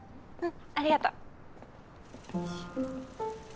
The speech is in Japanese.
ありがとう。